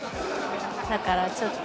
だからちょっと。